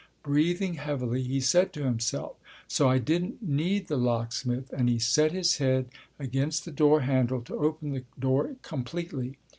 Breathing heavily he said to himself, "So I didn't need the locksmith," and he set his head against the door handle to open the door completely.